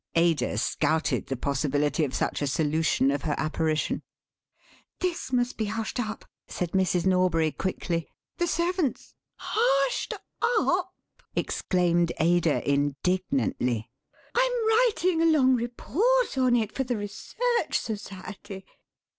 Ada scouted the possibility of such a solution of her apparition. "This must be hushed up," said Mrs. Norbury quickly; "the servants—" "Hushed up!" exclaimed Ada, indignantly; "I'm writing a long report on it for the Research Society."